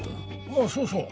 あっそうそう。